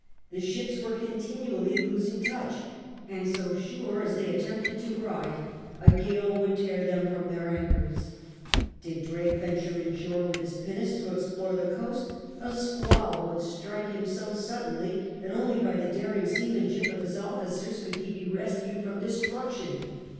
The ships were continually losing touch, and so sure as they attempted to ride, a gale would tear them from their anchors. Did Drake venture inshore with his pinnace to explore the coast, a squall would strike him so suddenly that V DOUGHTY AGAIN 69 only by the daring seamanship of his officers could he be rescued from destruction.